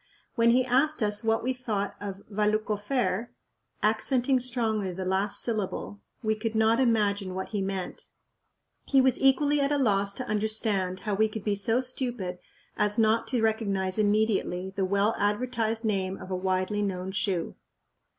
When he asked us what we thought of "Valluck ofair'," accenting strongly the last syllable, we could not imagine what he meant. He was equally at a loss to understand how we could be so stupid as not to recognize immediately the well advertised name of a widely known shoe.